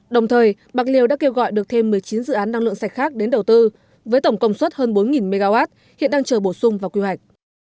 đồng thời bạc liêu đã kêu gọi được thêm một mươi chín dự án năng lượng sạch khác đến đầu tư với tổng công suất hơn bốn mw hiện đang chờ bổ sung vào quy hoạch